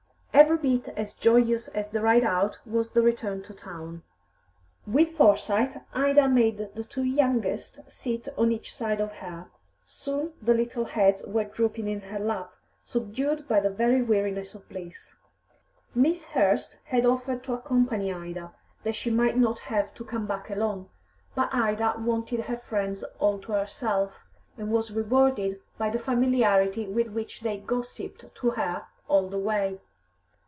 Every bit as joyous as the ride out was the return to town. With foresight, Ida made the two youngest sit on each side of her; soon the little heads were drooping in her lap, subdued by the very weariness of bliss. Miss Hurst had offered to accompany Ida, that she might not have to come back alone, but Ida wanted her friends all to herself, and was rewarded by the familiarity with which they gossipped to her all the way.